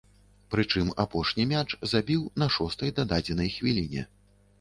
Прычым апошні мяч забіў на шостай дададзенай хвіліне.